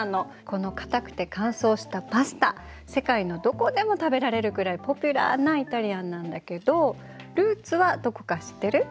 このかたくて乾燥したパスタ世界のどこでも食べられるくらいポピュラーなイタリアンなんだけどルーツはどこか知ってる？